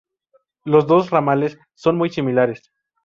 Los dos ramales son muy similares.